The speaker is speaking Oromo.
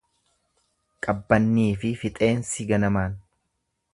Qabbanniifi fixeensi ganamaan.